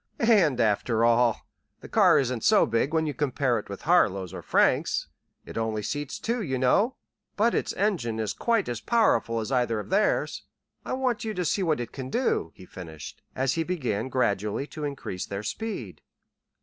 "And, after all, the car isn't so big when you compare it with Harlow's or Frank's. It only seats two, you know, but its engine is quite as powerful as either of theirs. I want you to see what it can do," he finished, as he began gradually to increase their speed.